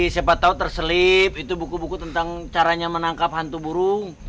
siapa tahu terselip itu buku buku tentang caranya menangkap hantu burung